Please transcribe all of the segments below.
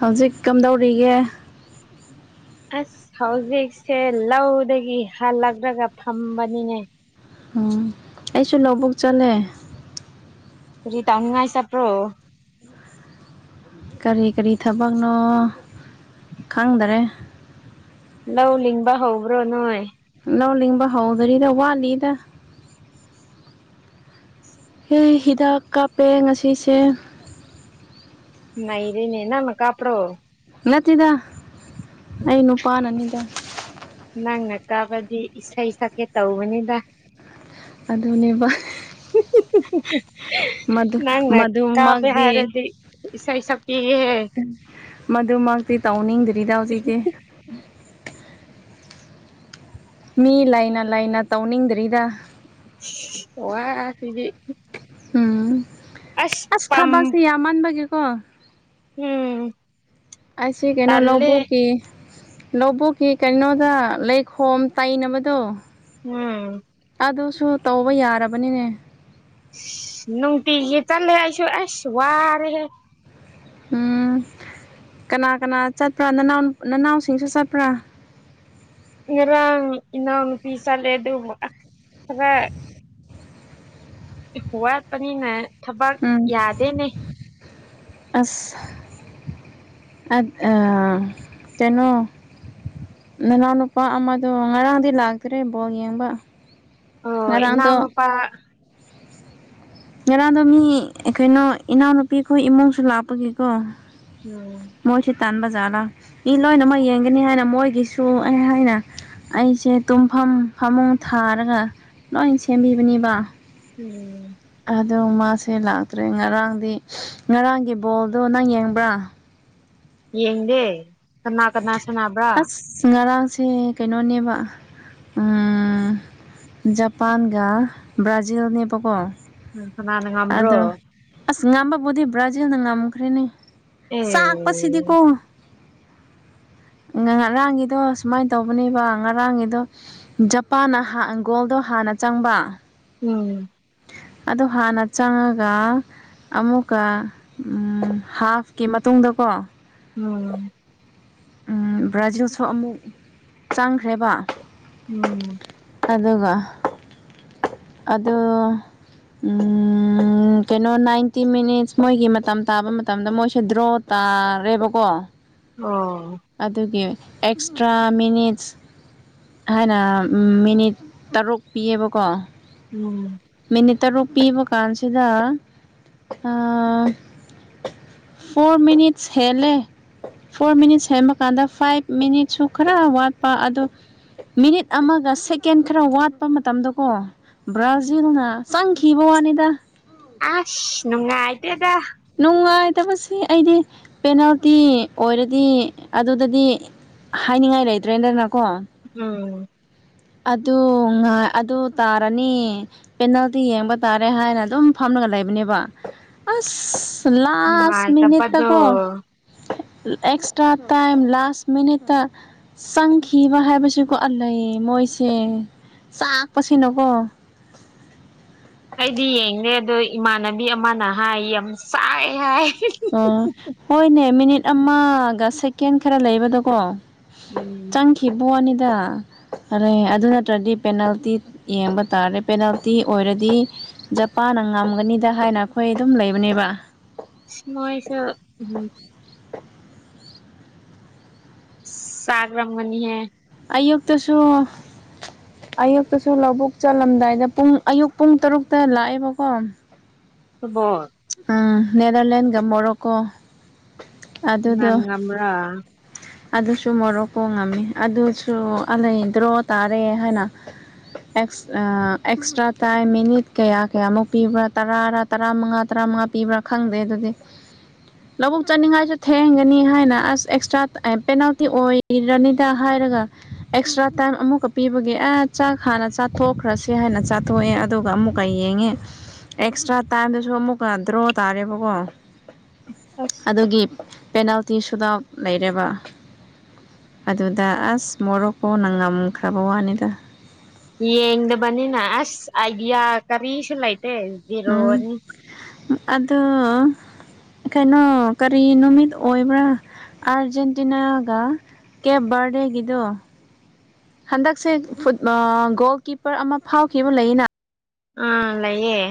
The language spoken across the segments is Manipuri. ꯍꯧꯖꯤꯛ ꯀꯝꯗꯧꯔꯤꯒꯦ ꯑꯁ ꯍꯧꯖꯤꯛꯁꯦ ꯂꯧꯗꯒꯤ ꯍꯜꯂꯛꯂꯒ ꯐꯝꯕꯅꯤꯅꯦ ꯎꯝ ꯑꯩꯁꯨ ꯂꯧꯕꯨꯛ ꯆꯠꯂꯦ ꯐꯔꯤ ꯇꯥꯎꯅꯤꯡ ꯉꯥꯏ ꯆꯄ꯭ꯔꯣ ꯀꯔꯤ ꯀꯔꯤ ꯊꯕꯛꯅꯣ ꯈꯪꯗꯔꯦ ꯂ ꯂ ꯂꯤꯕꯥ ꯍꯕ꯭ꯔꯣ ꯅꯣꯏ ꯂꯧꯥꯎ ꯂꯤꯡꯕ ꯍꯧꯗꯔꯤꯗ ꯋꯥꯠꯂꯤꯗ ꯍ ꯍꯤꯗꯥꯛ ꯀꯥꯞꯄꯦ ꯉꯁꯤꯁꯦ ꯅꯔꯅꯦ ꯅ ꯀꯥꯄ꯭ꯔꯣ ꯅꯠꯇꯦꯗ ꯑꯩ ꯅꯨꯄꯥꯅꯅꯤꯗ ꯅꯪꯅ ꯀꯥꯕꯗꯤ ꯏꯁꯩ ꯁꯛꯀꯦ ꯇꯧꯕꯅꯤꯗ ꯑꯗꯨꯅꯦꯕ ꯃꯗꯨ ꯅꯪꯅ ꯀꯕꯦ ꯃꯗꯨꯃꯛꯇꯤ ꯍꯥꯏꯔꯗꯤ ꯏꯁꯥ ꯏ ꯏꯁꯥ ꯏꯍꯦ ꯃꯗꯨꯃꯛꯇꯤ ꯇꯧꯅꯤꯡꯗ꯭ꯔꯤꯗ ꯍꯧꯖꯤꯛꯇꯤ ꯃꯤ ꯂꯩꯥꯏꯅ ꯂꯥꯏꯅ ꯇꯧꯅꯤꯡꯗ꯭ꯔꯤꯗ ꯑꯣ ꯁꯤꯗꯤ ꯎꯝ ꯑꯁ ꯊꯕꯛꯁꯦ ꯌꯥꯝꯃꯥꯟꯕꯒꯤꯦꯀꯣ ꯎꯝ ꯑꯩꯁꯦ ꯀꯩꯅꯣ ꯇꯜꯂꯦ ꯂꯧꯕꯣ ꯀ ꯂꯧꯕꯨꯛꯀꯤ ꯀꯩꯅꯣꯗ ꯂꯩꯈꯣꯝ ꯇꯩꯅꯕꯗꯣ ꯎꯝ ꯑꯗꯨꯁꯨ ꯇꯧꯕ ꯌꯥꯔꯕꯅꯤꯅꯦ ꯅꯨꯡꯇꯤꯒꯤ ꯆꯜꯂꯦ ꯑꯩꯁꯨ ꯑꯦꯁ ꯋꯥꯔꯦꯍꯦ ꯎꯝ ꯀꯅꯥ ꯀꯅꯥ ꯆꯠꯄ꯭ꯔꯥ ꯅꯅꯥꯎ ꯅꯅꯥꯎꯁꯤꯡꯁꯨ ꯆꯠꯄ꯭ꯔꯥ ꯉꯔꯥꯡ ꯏꯅꯪ ꯄꯤꯁꯂꯦ ꯑꯗꯨꯃꯛ ꯈ ꯋꯥꯠꯄꯅꯤꯅ ꯊꯕꯛ ꯎꯝ ꯌꯥꯗꯦꯅꯦ ꯑꯁ ꯑ ꯀꯩꯅꯣ ꯅꯅꯥꯎꯅ ꯅꯨꯄꯥ ꯑꯃꯗꯣ ꯉꯔꯥꯡꯗꯤ ꯂꯥꯛꯇ꯭ꯔꯦ ꯕꯣ ꯌꯦꯡꯕ ꯑꯣ ꯉꯔꯥꯡꯗꯣ ꯏꯎꯅꯄꯥ ꯉꯔꯥꯡꯗꯣ ꯃꯤ ꯀꯩꯅꯣ ꯏꯅꯥꯎꯅꯨꯄꯤꯈꯣꯏ ꯏꯃꯨꯡꯁꯨ ꯂꯥꯛꯄꯒꯤꯀꯣ ꯎꯝ ꯇꯥꯟ ꯕꯖꯥꯔꯗ ꯃꯤ ꯂꯣꯏꯅꯃꯛ ꯌꯦꯡꯒꯅꯤ ꯍꯥꯏꯅ ꯃꯣꯏꯒꯤꯁꯨ ꯑꯩ ꯍꯥꯏꯅ ꯑꯩꯁꯦ ꯇꯨꯝ ꯐꯃꯨꯡ ꯊꯥꯔꯒ ꯂꯣꯏ ꯁꯦꯝꯕꯤꯕꯅꯤꯕ ꯎꯝ ꯑꯗꯣ ꯃꯥꯁꯦ ꯂꯥꯛꯇ꯭ꯔꯦ ꯉꯔꯥꯡꯗꯤ ꯉꯔꯥꯡꯒꯤ ꯕꯣꯜꯗꯣ ꯅꯪ ꯌꯦꯡꯕ꯭ꯔꯥ ꯌꯦꯡꯗꯦ ꯀꯅꯥ ꯀꯅꯥ ꯁꯥꯟꯅꯕ꯭ꯔꯥ ꯁꯦ ꯀꯩꯅꯣꯅꯦꯕ ꯖꯄꯥꯟꯒ ꯕ꯭ꯔꯥꯖꯤꯜꯅꯦꯕꯀꯣ ꯎ ꯅꯅꯦ ꯉꯝꯕꯔꯣ ꯑꯗꯣ ꯑꯁ ꯉꯝꯕꯕꯨꯗꯤ ꯕ꯭ꯔꯥꯖꯤꯜꯅ ꯉꯝꯈ꯭ꯔꯦꯅꯦ ꯆꯥꯛꯄꯁꯤꯗꯤꯀꯣ ꯑꯦ ꯉꯔꯥꯡꯒꯤꯗꯣ ꯁꯨꯃꯥꯏꯅ ꯇꯧꯕꯅꯦꯕ ꯉꯔꯥꯡꯒꯤꯗꯣ ꯖꯄꯥꯟꯅ ꯍꯪꯒꯣꯜꯗꯣ ꯍꯥꯟꯅ ꯆꯪꯕ ꯎꯝ ꯑꯗꯣ ꯍꯥꯟꯅ ꯆꯪꯉꯒ ꯑꯃꯨꯛꯀ ꯍꯥꯐꯀꯤ ꯃꯇꯨꯡꯗꯀꯣ ꯎꯝ ꯕ꯭ꯔꯥꯖꯤꯜꯁꯨ ꯑꯃꯨꯛ ꯆꯪꯈ꯭ꯔꯦꯕ ꯎꯝ ꯑꯗꯨꯒ ꯑꯗꯨ ꯀꯩꯅꯣ ꯅꯥꯏꯟꯇꯤ ꯃꯤꯅꯤꯠꯁ ꯃꯣꯏꯒꯤ ꯃꯇꯝ ꯇꯥꯕ ꯃꯇꯝꯗ ꯃꯣꯏꯁꯦ ꯗ꯭ꯔꯣ ꯇ ꯑꯥ ꯔꯦꯕꯣꯀꯣ ꯑꯣ ꯑꯗꯨꯒꯤ ꯑꯦꯛꯁꯇ꯭ꯔꯥ ꯃꯤꯅꯤꯠꯁ ꯍꯥꯏꯅ ꯃꯤꯅꯤꯠ ꯇꯔꯨꯛ ꯄꯤꯌꯦꯕꯀꯣ ꯎꯝ ꯃꯤꯅꯤꯠ ꯇꯔꯨꯛ ꯄꯤꯕ ꯀꯥꯟꯁꯤꯗ ꯐꯣꯔ ꯃꯤꯅꯤꯠꯁ ꯍꯦꯜꯂꯦ ꯐꯣꯔ ꯃꯤꯅꯤꯠꯁ ꯁꯦꯝꯕ ꯀꯥꯟꯗ ꯐꯥꯏꯚ ꯃꯤꯅꯤꯠꯁꯨ ꯈꯔ ꯋꯥꯠꯄ ꯑꯗꯣ ꯃꯤꯅꯤꯠ ꯑꯃꯒ ꯁꯦꯀꯦꯟ ꯈꯔ ꯋꯥꯠꯄ ꯃꯇꯝꯗꯀꯣ ꯕ꯭ꯔꯥꯖꯤꯜꯅ ꯆꯪꯈꯤꯕ ꯋꯥꯅꯤꯗ ꯑꯁ ꯅꯨꯡꯉ ꯑꯥꯏꯇꯦꯗ ꯐꯠꯇꯕꯁꯤ ꯑꯩꯗꯤ ꯄꯦꯅꯥꯜꯇꯤ ꯑꯣꯏꯔꯗꯤ ꯑꯗꯨꯗꯗꯤ ꯍꯥꯏꯅꯤꯡꯉꯥꯏ ꯂꯩꯇ꯭ꯔꯦꯗꯅꯀꯣ ꯎꯝ ꯑꯗꯨ ꯉ ꯑꯗꯨ ꯇꯥꯔꯅꯤ ꯄꯦꯅꯥꯜꯇꯤ ꯌꯦꯡꯕ ꯇꯥꯔꯦ ꯍꯥꯏꯅ ꯑꯗꯨꯝ ꯐꯝꯅ [inaudible] ꯅꯨꯡꯉꯥꯏꯇꯕꯗꯣ ꯑꯦꯛꯁꯇ꯭ꯔꯥ ꯇꯥꯏꯝ ꯂꯥꯁ ꯃꯤꯅꯤꯠꯇ ꯆꯪꯈꯤꯕ ꯍꯥꯏꯕꯁꯤꯀꯣꯜ ꯂꯩ ꯃꯣꯏ ꯁꯦ ꯆꯥꯛꯄꯁꯤꯅꯀꯣ ꯑꯩꯗꯤ ꯌꯦꯡꯗꯦ ꯑꯗꯣ ꯏꯃꯥꯟꯅꯕꯤ ꯑꯃꯅ ꯍꯥꯏ ꯌꯥꯝ ꯁꯥꯏ ꯍꯥꯏ ꯑꯣ ꯍꯣꯏꯅꯦ ꯃꯤꯅꯤꯠ ꯑꯃꯒ ꯁꯦꯀꯦꯟ ꯈꯔ ꯂꯩꯕꯗꯣꯀꯣ ꯎꯝ ꯆꯪꯈꯤꯕꯅꯤꯗ ꯑꯔ ꯑꯗꯨ ꯅꯠꯇ꯭ꯔꯗꯤ ꯄꯦꯅꯥꯜꯇꯤ ꯌꯦꯡꯕ ꯇꯥꯔꯦ ꯄꯦꯅꯥꯜꯇꯤ ꯑꯣꯏꯔꯗꯤ ꯖꯄꯥꯟ ꯍꯥꯟꯅ ꯉꯝꯒꯅꯤꯗ ꯍꯥꯏꯅ ꯑꯩꯈꯣꯏ ꯑꯗꯨꯝ ꯂꯩꯕꯅꯦꯕ ꯁꯃꯣꯏꯁ ꯎꯝ ꯁꯥꯒꯔꯪꯃꯅꯤ ꯍ ꯑꯌꯨꯛꯇꯁꯨ ꯑꯌꯨꯛꯇꯁꯨ ꯂꯧꯕꯛ ꯆꯠꯂꯝꯗꯥꯏꯗ ꯄꯨꯡ ꯑꯌꯨꯛ ꯄꯨꯡ ꯇꯔꯨꯛꯇ ꯂꯥꯛꯑꯦꯕꯀꯣ ꯕꯣ ꯅꯦꯗꯔꯂꯦꯟꯒ ꯃꯣꯔꯣꯀꯣ ꯑꯗꯨꯗꯣ ꯅꯪ ꯉꯝꯕ꯭ꯔꯥ ꯑꯗꯨꯁꯨ ꯃꯣꯔꯣꯛꯄ ꯉꯝꯃꯤ ꯑꯗꯨꯁꯨ ꯑ ꯂꯩꯗ꯭ꯔꯣ ꯇꯥꯔꯦ ꯍꯥꯏꯅ ꯑꯦꯛꯁꯇ꯭ꯔꯥ ꯇꯥꯏꯝ ꯃꯤꯅꯤꯠ ꯀꯌꯥ ꯀꯌꯥꯃꯨꯛ ꯄꯤꯕ꯭ꯔꯥ ꯇꯔꯥꯔꯥ ꯇꯔꯥꯃꯉꯥ ꯇꯔꯥꯃꯉꯥ ꯄꯤꯕ꯭ꯔꯥ ꯈꯪꯗꯦ ꯑꯗꯨꯗꯤ ꯂꯧꯕꯨꯛ ꯆꯠꯅꯤꯡꯉꯥꯏꯁꯨ ꯊꯦꯡꯒꯅꯤ ꯍꯥꯏꯅ ꯑꯁ ꯑꯦꯛꯁꯇ꯭ꯔꯥ ꯄꯦꯅꯥꯜꯇꯤ ꯑꯣꯏꯔꯅꯤꯗ ꯍꯥꯏ ꯍꯥꯏꯔꯒ ꯑꯦꯛꯁꯇ꯭ꯔꯥ ꯇꯥꯏ ꯑꯃꯨꯛ ꯄꯤꯕꯒꯤ ꯑ ꯆꯥꯛ ꯍꯥꯟꯅ ꯆꯥꯊꯣꯛꯈ꯭ꯔꯁꯤꯦ ꯍꯥꯏꯅ ꯆꯥꯊꯣꯛꯑꯦ ꯑꯃꯨꯛ ꯀꯥꯏꯉꯦ ꯑꯦꯛꯁꯇ꯭ꯔꯥ ꯇꯥꯏꯁꯨ ꯑꯃꯨꯛ ꯗ꯭ꯔꯣ ꯇꯥꯔꯦꯕꯀꯣ ꯑꯁ ꯑꯗꯨꯒꯤ ꯄꯦꯅꯥꯜꯇꯤꯁꯨꯗ ꯂꯩꯔꯦꯕ ꯑꯗꯨꯗ ꯑꯁ ꯃꯣꯔꯣꯛꯀꯣꯅꯪ ꯉꯝꯈ꯭ꯔꯕ ꯋꯥꯅꯤꯗ ꯌꯦꯡꯗꯕꯅꯤꯅ ꯑꯁ ꯑꯥꯏꯗꯤꯌꯥ ꯀꯔꯤꯁꯨ ꯂꯩꯇꯦ ꯖꯤꯦꯔꯣꯅꯤ ꯑꯣ ꯀꯩꯅꯣ ꯀꯔꯤ ꯅꯨꯃꯤꯠ ꯑꯣꯏꯕ꯭ꯔꯥ ꯑꯔꯖꯦꯟꯇꯤꯅꯥꯒ ꯀꯦꯞ ꯔꯗꯦꯒꯤꯗꯨꯣ ꯍꯟꯗꯛꯁꯦ ꯒꯣꯜ ꯀꯤꯞꯄꯔ ꯑꯃ ꯐꯥꯎꯈꯤꯕ ꯂꯩꯅ ꯑꯥ ꯂꯌꯦꯦ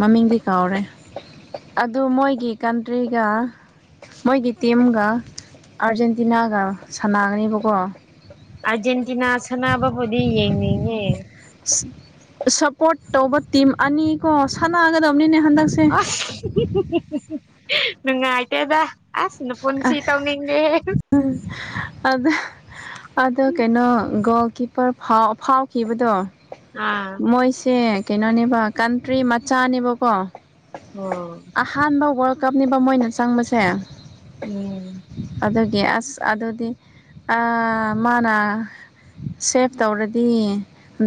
ꯃꯃꯤꯡꯗꯤ ꯀꯥꯎꯔꯦ ꯑꯗꯨ ꯃꯣꯏꯒꯤ ꯀꯟꯇ꯭ꯔꯤꯒ ꯃꯣꯏꯒꯤ ꯇꯤꯝꯒ ꯑꯥꯔꯖꯦꯟꯇꯤꯅꯥꯒ ꯁꯥꯟꯅꯒꯅꯦꯕꯀꯣ ꯑꯔꯖꯦꯟꯇꯤꯅꯥ ꯑꯁꯅꯕꯕꯨꯗꯤ ꯌꯦꯅꯤꯌꯦꯦ ꯁꯞꯄꯣꯔꯠ ꯇꯧꯕ ꯇꯤꯝ ꯑꯅꯤ ꯀꯣ ꯁꯥꯟꯅꯒꯗꯕꯅꯤꯅꯦ ꯍꯟꯗꯛꯁꯦ ꯑ ꯅꯨꯡꯉꯥꯏꯇꯦꯗ ꯑꯁ ꯑ ꯅꯄꯨꯟꯁꯤ ꯇꯧꯅꯤꯡꯗꯦꯍꯦ ꯑꯗ ꯑꯗꯣ ꯀꯩꯅꯣ ꯒꯣꯜ ꯀꯤꯞꯄꯔꯥꯎ ꯐꯥꯎꯈꯤꯕꯗꯣ ꯑꯥ ꯃꯣꯏꯁꯦ ꯀꯩꯅꯣꯅꯦꯕ ꯀꯟꯇ꯭ꯔꯤ ꯃꯆꯥꯅꯦꯕꯀꯣ ꯑꯣ ꯑꯍꯥꯟꯕ ꯋꯥꯔꯜ ꯀꯞꯅꯤꯕ ꯃꯣꯏꯅ ꯆꯪꯕꯁꯦ ꯎꯝ ꯑꯗꯨꯒꯤ ꯑꯁ ꯑꯗꯨꯗꯤ ꯃꯥꯅ ꯁꯦꯞ ꯇꯧꯔꯗꯤ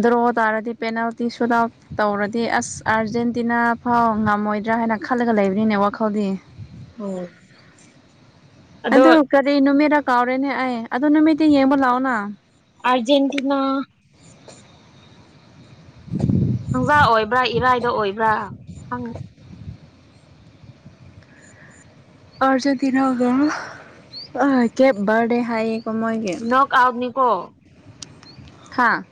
ꯗ꯭ꯔꯣ ꯇꯥꯔꯗꯤ ꯄꯦꯅꯥꯜꯇꯤ ꯁꯨꯠ ꯑꯥꯎꯠ ꯇꯧꯔꯗꯤ ꯑꯁ ꯑꯥ ꯑꯥꯔꯖꯦꯟꯇꯤꯅꯥ ꯐꯥꯎ ꯉꯝꯃꯣꯏꯗ꯭ꯔꯥ ꯍꯥꯏꯅ ꯈꯜꯂꯒ ꯂꯩꯕꯅꯤꯅꯦ ꯋꯥꯈꯜꯗꯤ ꯎꯝ ꯑꯗꯨ ꯀꯔꯤ ꯅꯨꯃꯤꯠꯔꯥ ꯀꯥꯎꯔꯦꯅꯦ ꯑꯩ ꯑꯗꯨ ꯅꯨꯃꯤꯠꯇꯤ ꯌꯦꯡꯕ ꯂꯥꯛꯑꯣꯅ ꯑꯔꯖꯦꯟꯇꯤꯅꯥ ꯍꯪꯖꯥ ꯑꯣꯏꯕ꯭ꯔꯥ ꯏꯔꯥꯏꯗ ꯑꯣꯏꯕ꯭ꯔꯥ ꯈꯪꯉꯤ ꯑꯔꯖ ꯇꯅꯒ ꯀꯦꯞ ꯔ ꯗꯦ ꯍꯥꯏꯌꯦ ꯅ ꯀꯥꯎꯗꯅꯤ ꯀꯣ ꯍꯥꯥ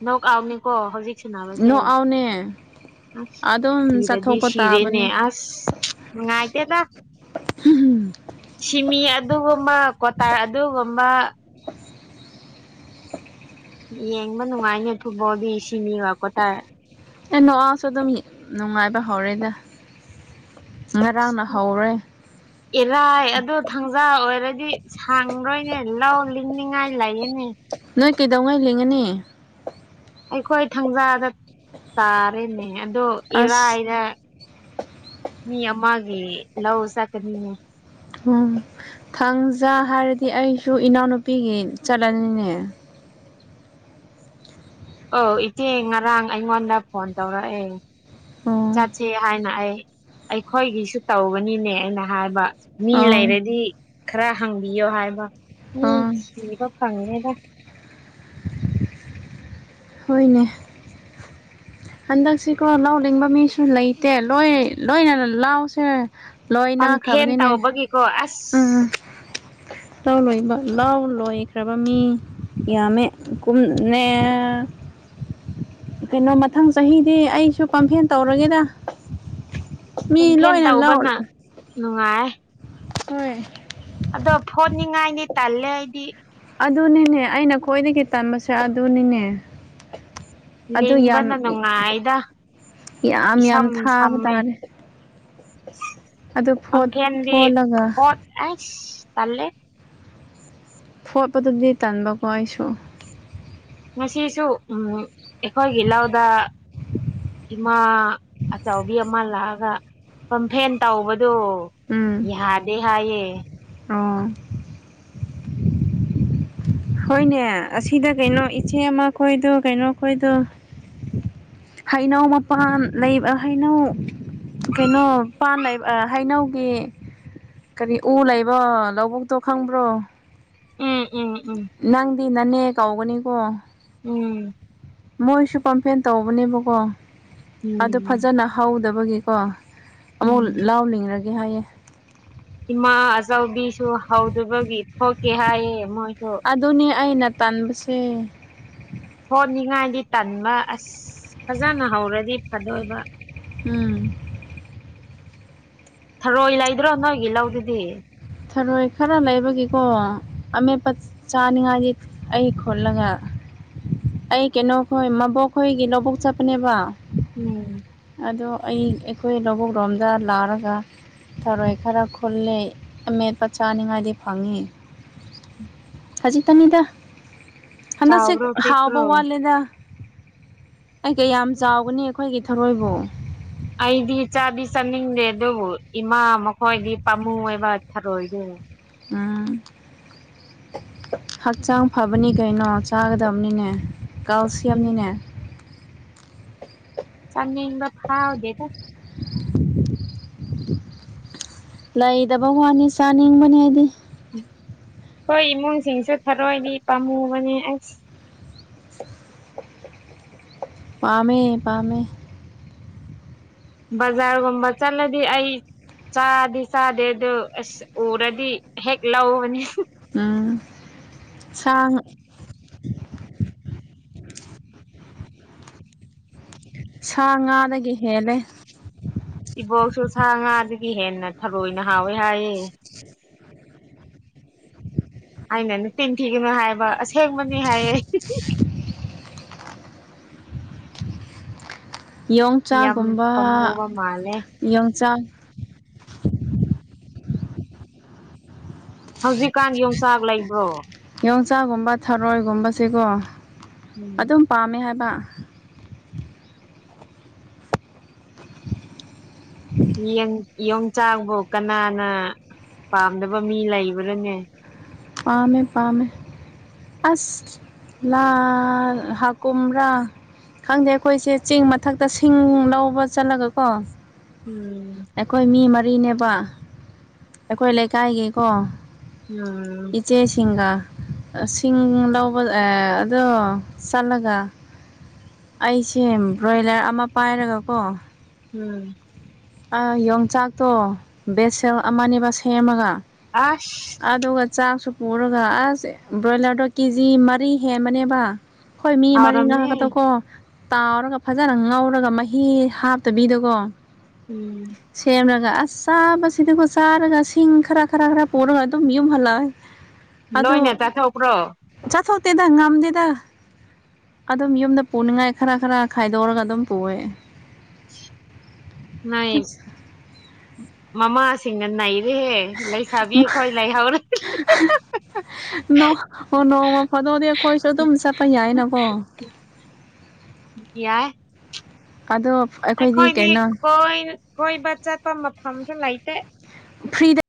ꯅꯣꯛ ꯀꯥꯎꯅꯤꯀꯣ ꯍꯧꯖꯤꯛ ꯁꯥꯟꯅꯕꯁꯦ ꯅꯅꯦ ꯑꯁ ꯁꯤꯔꯗꯤ ꯁꯤꯔꯦꯅꯦ ꯑꯁ ꯅꯨꯡꯉꯥꯏꯇꯦꯗ ꯍꯝꯝ ꯁꯤꯃꯤ ꯑꯗꯨꯒꯨꯝꯕ ꯀ꯭ꯋꯥꯇꯥꯔ ꯑꯗꯨꯒꯨꯝꯕ [inaudible] ꯌꯦꯡꯕ ꯅꯨꯡꯉꯥꯏꯅꯦ ꯊꯨꯕꯣꯗꯤ ꯁꯤ ꯃꯤꯉꯛꯄꯣ ꯇꯥꯔꯦ ꯅꯅꯨꯡ ꯁꯨ ꯑꯗꯨ ꯅꯅꯨꯡꯉꯥꯏ ꯄ ꯍꯔꯗ ꯉꯔꯥꯡ ꯅ ꯍꯧꯔꯦ ꯏꯔꯥꯏ ꯑꯗꯣ ꯊꯥꯡꯖꯥ ꯑꯣꯏꯔꯗꯤ ꯁꯥꯡꯔꯣꯏꯅꯦ ꯂꯥꯎ ꯏꯅꯤꯡ ꯉꯥꯏ ꯂꯏꯅꯦ ꯅꯣꯏ ꯀꯩꯗꯧꯉꯩ ꯂꯤꯡꯉꯅꯤ ꯑꯩꯈꯣꯏ ꯊꯥꯡꯖꯥꯗ ꯇꯥꯔꯦꯅꯦ ꯑꯗꯣ ꯑꯁ ꯏꯔꯥꯏꯗ ꯃꯤ ꯑꯃꯒꯤꯦ ꯂꯁꯥꯀꯅꯤꯉꯦ ꯎꯝ ꯊꯥꯡꯖꯥ ꯍꯥꯏꯔꯗꯤ ꯑꯩꯁꯨ ꯏꯅꯥꯎꯅꯨꯄꯤꯒꯤ ꯆꯠꯂꯅꯤꯅꯦ ꯑꯧ ꯏꯆꯦ ꯉꯔꯥꯡ ꯑꯩꯉꯣꯟꯗ ꯐꯣꯟ ꯇꯧꯔꯛꯑꯦ ꯑꯣ ꯆꯠꯁꯤ ꯍꯥꯏꯅ ꯑꯩ ꯑꯩꯈꯣꯏꯒꯤꯁꯨ ꯇꯧꯧꯕꯅꯤꯅꯦ ꯑꯩꯅ ꯍꯥꯏꯕ ꯃꯤ ꯑꯥ ꯂꯩꯔꯗꯤ ꯈꯔ ꯍꯪꯕꯤꯌꯣ ꯍꯥꯏꯕ ꯃꯤ ꯑꯥ ꯊꯤꯕ ꯐꯪꯉꯦꯗ ꯍꯅꯦ ꯍꯟꯗꯛꯁꯤꯀꯣ ꯂꯧꯥꯎ ꯂꯤꯡꯕ ꯃꯤꯁꯨ ꯂꯩꯇꯦ ꯂꯣꯏ ꯂꯣꯏꯅꯅ ꯂꯥꯎꯁꯦ ꯂꯣꯏ ꯄꯝꯐꯦꯟ ꯅꯥꯈ꯭ꯔꯕꯅꯤꯅꯦ ꯇꯧꯕꯒꯤꯀꯣ ꯎꯝ ꯑꯁ ꯂꯥꯎ ꯂꯣꯏꯕ ꯂꯥꯎ ꯂꯣꯏꯈ꯭ꯔꯕ ꯃꯤ ꯌꯥꯃꯦ ꯀꯨꯝꯅꯦ ꯀꯩꯅꯣꯃ ꯃꯊꯪ ꯆꯍꯤꯗꯤ ꯑꯩꯁꯨ ꯀꯝꯐꯦꯟ ꯇꯧꯔꯒꯦꯗ ꯃꯤ ꯄꯝꯐꯦꯟ ꯂꯣꯏꯅ ꯂ ꯇꯧꯕꯅ ꯅꯨꯡꯉꯥꯏ ꯍ ꯇꯂꯦ ꯍꯥꯏꯗꯤ ꯑꯗꯨꯅꯤꯅꯦ ꯑꯩꯅ ꯈ꯭ꯋꯥꯏꯗꯒꯤ ꯇꯟꯕꯁꯦ ꯑꯗꯨꯅꯤꯅꯦ ꯑꯗꯨ ꯌꯥꯝ ꯂꯕꯅ ꯅꯨꯡꯉꯥꯏꯗ ꯌꯥꯝ ꯏꯁꯝ ꯌꯥꯝ ꯊꯥꯕ ꯁꯝꯃꯦ ꯇꯥꯔꯦ ꯑꯗꯨ ꯐꯣꯠ ꯁꯪꯈꯦꯟꯗꯤ ꯐꯣꯠꯂꯒ ꯐꯣꯠ ꯑꯦꯁ ꯇꯦ ꯐꯣꯠꯄꯗꯗꯤ ꯇꯥꯟꯕꯀꯣ ꯑꯩꯁꯨ ꯃꯁꯤꯁꯨ ꯎꯝ ꯑꯩꯈꯣꯏꯒꯤꯂꯗ ꯏꯃꯥ ꯑꯆꯥꯎꯕꯤ ꯑꯃ ꯂꯥꯛꯑꯒ ꯀꯝꯐꯦꯟ ꯇꯧꯕꯗꯣ ꯌꯥꯗꯦ ꯍꯥꯏꯌꯦ ꯑꯣꯣꯡ ꯍꯣꯏꯅꯦ ꯑꯁꯤꯗ ꯀꯩꯅꯣ ꯏꯆꯦ ꯑꯃ ꯈꯣꯏꯗꯣ ꯀꯩꯅꯣ ꯑꯩꯈꯣꯏꯗꯣ ꯍꯩꯅꯧ ꯃꯄꯥꯟ ꯂꯩꯕ ꯍꯩꯅꯧ ꯀꯩꯅꯣ ꯄꯥꯟ ꯍꯩꯅꯧꯒꯤ ꯀꯔꯤ ꯎ ꯂꯩꯕ ꯂꯧꯕꯨꯛꯇꯣ ꯈꯪꯕ꯭ꯔꯣ ꯎꯝ ꯎꯝ ꯎꯝ ꯏꯅꯅꯦ ꯀꯥꯎꯒꯅꯤꯀꯣ ꯎꯝ ꯃꯣꯏꯁꯨ ꯀꯝꯄ꯭ꯂꯦꯟ ꯇꯧꯕꯅꯦꯕꯀꯣ ꯑꯗꯨ ꯎꯝ ꯐꯖꯅ ꯍꯧꯗꯕꯒꯤꯀꯣ ꯑꯃꯨꯛ ꯎꯝ ꯂꯥꯎꯅꯤꯡꯔꯒꯦ ꯍꯥꯏꯌꯦꯦ ꯏꯃꯥ ꯑꯆꯧꯕꯤꯁꯨ ꯍꯧꯗꯕꯒꯤ ꯊꯣꯛꯀꯦ ꯍꯥꯏꯌꯦ ꯃꯣꯏ ꯑꯗꯨꯅꯦ ꯑꯩꯅ ꯇꯥꯟꯕꯁꯦ ꯍꯣꯠꯅꯤꯡꯉꯥꯏꯗꯤ ꯇꯟꯕ ꯑꯁ ꯐꯖꯅ ꯍꯧꯔꯗꯤ ꯐꯗꯣꯏꯕ ꯎꯝ ꯊꯔꯣꯏ ꯂꯩꯗ꯭ꯔꯣ ꯅꯣꯏꯒꯤ ꯂꯧꯗꯨꯗꯤ ꯊꯔꯣꯏ ꯈꯔ ꯂꯩꯕꯒꯤꯀꯣ ꯑꯃꯦꯠꯄ ꯆꯥꯅꯤꯡꯉꯥꯏꯗꯤ ꯑꯩ ꯈꯣꯠꯂꯒ ꯑꯩ ꯀꯩꯅꯣꯈꯣꯏ ꯃꯕꯣꯛꯈꯣꯏꯒꯤ ꯂꯧꯕꯣꯛ ꯆꯠꯄꯅꯦꯕ ꯎꯝ ꯑꯗꯣ ꯑꯩ ꯑꯩꯈꯣꯏ ꯂꯧꯕꯨꯛ ꯂꯣꯝꯗ ꯂꯥꯛꯔꯒ ꯊꯔꯣꯏ ꯈꯔ ꯈꯨꯜꯂꯦ ꯑꯃꯦꯠꯄ ꯆꯥꯅꯤꯉꯥꯏꯗꯤ ꯐꯪꯉꯤ ꯈꯖꯤꯛꯇꯅꯤꯗ ꯍꯗ ꯁꯤꯦ ꯆꯥꯎꯕ꯭ꯔꯣ ꯍꯥꯎꯕ ꯄꯤꯛꯄ꯭ꯔꯣ ꯋꯥꯠꯂꯗ ꯑꯩ ꯀꯌꯥꯝ ꯆꯥꯎꯒꯅꯤ ꯑꯩꯈꯣꯏꯒꯤ ꯊꯧꯔꯣꯏꯕꯨ ꯑꯩꯗꯤ ꯏꯆꯥꯗꯤ ꯆꯥꯅꯤꯡꯗꯦ ꯑꯗꯨꯕꯨ ꯏꯃꯥ ꯃꯈꯣꯏꯗꯤ ꯄꯥꯝꯃꯨ ꯑꯣꯏꯕ ꯊꯔꯣꯏꯗꯦ ꯎꯝ ꯍꯛꯆꯥꯡ ꯐꯕꯅꯤ ꯀꯩꯅꯣ ꯆꯥꯒꯗꯕꯅꯤꯅꯦ ꯑꯩ ꯀꯥꯎꯁꯤꯌꯥꯝꯅꯤꯅꯦ ꯆꯅ ꯏꯕ ꯍꯥꯥꯎꯗꯦꯗ ꯂꯩꯗꯕ ꯋꯥꯅꯤ ꯆꯥꯅꯤꯡꯕꯅꯦ ꯍꯥꯏꯗꯤ ꯍꯣꯏ ꯏꯃꯨꯡꯁꯤꯡꯁꯨ ꯊꯔꯣꯏꯗꯤ ꯄꯥꯝꯃꯨꯕꯅꯦ ꯑꯁ ꯄꯥꯝꯃꯦ ꯄꯥꯝꯃꯦ ꯕꯖꯥꯔꯒꯨꯝꯕ ꯆꯠꯂꯗꯤ ꯑꯩ ꯆꯥꯗꯤꯦ ꯆꯥꯗꯦ ꯑꯗꯨ ꯑꯁ ꯎꯔꯗꯤ ꯍꯦꯛ ꯂꯧꯅꯤ ꯎꯝ ꯁ ꯁꯥ ꯉꯥꯗꯒꯤ ꯍꯦꯜꯂꯦ ꯕꯣꯛꯁꯨ ꯁꯥ ꯉꯥꯗꯒꯤ ꯍꯦꯟꯅ ꯊꯔꯣꯏꯅ ꯍꯥꯎꯋꯦ ꯍꯥꯏꯌꯦ ꯑꯩꯅꯅꯦ ꯇꯤꯟꯊꯤꯒꯅꯨ ꯍꯥꯏꯕ ꯑꯁꯦꯡꯕꯅꯤ ꯍꯥꯏꯌꯦ ꯌꯥꯝ ꯌꯣꯡꯆꯥꯥꯛꯒꯨꯝꯕ ꯄꯥꯝꯃꯨꯕ ꯃꯥꯜꯂꯦ ꯌꯣꯡꯆꯥꯛ ꯍꯧꯖꯤꯛꯀꯥꯟ ꯌꯣꯡꯆꯥꯛ ꯂꯩꯕ꯭ꯔꯣ ꯌꯣꯡꯆꯥꯒꯨꯝꯕ ꯊꯔꯣꯏꯒꯨꯝꯕꯁꯤꯀꯣ ꯎꯝ ꯑꯗꯨꯝ ꯄꯥꯝꯃꯦ ꯍꯥꯏꯕ ꯌꯦꯪ ꯌꯣꯡꯆꯥꯛꯕꯨ ꯀꯅꯥꯅ ꯄꯥꯝꯗꯕ ꯃꯤ ꯂꯩꯕꯅꯣꯅꯦ ꯄꯄꯥꯥꯝꯃꯦ ꯄꯥꯝꯃꯦ ꯑꯁ ꯂꯥ ꯍ ꯀꯨꯝꯔꯥ ꯈꯪꯗꯦ ꯑꯩꯈꯣꯏꯁꯦ ꯆꯦꯡ ꯃꯊꯛꯇ ꯁꯤꯡ ꯂꯧꯕ ꯆꯠꯂꯒ ꯀꯣ ꯎꯝ ꯑꯩꯈꯣꯏ ꯃꯤ ꯃꯔꯤꯅꯦꯕ ꯑꯩꯈꯣꯏ ꯂꯩꯀꯥꯏꯒꯤꯀꯣ ꯎꯝ ꯏꯆꯦ ꯁꯤꯡꯒꯥ ꯁꯤꯡ ꯂꯧꯕ ꯑꯗꯣ ꯆꯠꯂꯒ ꯑꯩꯁꯦ ꯕ꯭ꯔꯣꯏꯂꯔ ꯑꯃ ꯄꯥꯏꯔꯒꯀꯣ ꯎꯝ ꯌꯣꯡꯆꯥꯛꯇꯣ ꯕꯦꯠꯁꯦꯜ ꯑꯃꯅꯦꯕ ꯁꯦꯝꯃꯒ ꯑꯁ ꯑꯗꯨꯒ ꯆꯥꯁꯨ ꯎꯔꯒ ꯑꯁ ꯕ꯭ꯔꯣꯏꯂꯔꯗꯣ ꯀꯦꯖꯤ ꯃꯔꯤ ꯍꯦꯝꯃꯅꯦꯕ ꯍꯣꯏ ꯃꯤ ꯑꯃꯅꯤ ꯍꯥꯎꯔꯝꯅꯤ ꯉꯥꯛꯀꯗ ꯀꯣ ꯇꯥꯎꯔꯒ ꯐꯖꯅ ꯉꯧꯔꯒ ꯃꯍꯤ ꯍꯥꯞꯇꯕꯤꯗꯀꯣ ꯎꯝ ꯁꯦꯝ ꯌꯥꯝ ꯂꯥꯛ ꯑ ꯆꯥꯕꯁꯤꯗꯤꯀꯣ ꯆꯥꯔꯒ ꯁꯤꯡ ꯈꯔ ꯈꯔ ꯈꯔ ꯄꯨꯔꯒ ꯑꯗꯨꯝ ꯌꯨꯝ ꯍꯜꯂꯛꯑꯏ ꯑꯗ ꯂꯣꯏꯅ ꯆꯥꯊꯣꯛꯄ꯭ꯔꯣ ꯆꯥꯁ ꯍꯧ ꯇꯗ ꯉꯝꯗꯗ ꯑꯗꯨꯝ ꯌꯨꯝꯗ ꯄꯨꯅꯤꯡꯉꯥꯏ ꯈꯔ ꯈꯔ ꯈꯥꯏꯗꯣꯛꯔꯒ ꯑꯗꯨꯝ ꯄꯨꯑꯦ ꯅ ꯃꯃꯥ ꯁꯤꯁꯤꯡꯒꯅꯅꯥꯏ ꯏꯍꯦ ꯂꯩꯁꯥꯕꯤꯌꯦ ꯈ꯭ꯋꯥꯏ ꯂꯥꯏ ꯍꯧꯥꯎꯔꯦ ꯑꯣ ꯅꯣꯡꯃ ꯐꯥꯗꯣꯛꯗꯤ ꯑꯩꯈꯣꯏꯁꯨ ꯑꯗꯨꯝ ꯆꯠꯄ ꯌꯥꯏꯅꯀꯣ [inaudible] ꯌꯥꯏ ꯑꯗꯣ ꯑꯩꯈꯣꯏꯗꯤ ꯀꯩꯅꯣ ꯀꯣꯏꯕ ꯆꯠꯄ ꯃꯐꯝꯁꯨ ꯂꯩꯇꯦ ꯐ꯭ꯔꯤꯗ